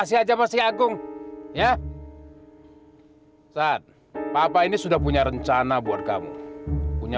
sampai jumpa di video selanjutnya